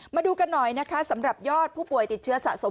มาดูกันหน่อยนะคะสำหรับยอดผู้ป่วยติดเชื้อสะสม